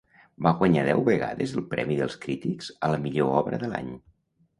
Va guanyar deu vegades el premi dels crítics a la millor obra de l'any.